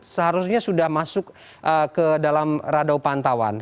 seharusnya sudah masuk ke dalam radao pantauan